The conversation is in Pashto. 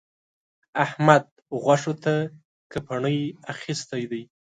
احمد؛ غوښو ته کپڼۍ اخيستی دی.